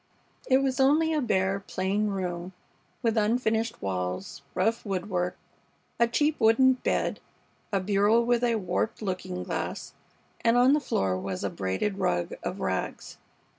It was only a bare, plain room with unfinished walls, rough woodwork, a cheap wooden bed, a bureau with a warped looking glass, and on the floor was a braided rug of rags.